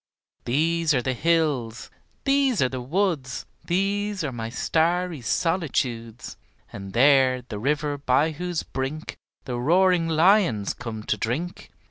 These are the hills, these are the woods, These are my starry solitudes; And there the river by whose brink The roaring lions come to drink.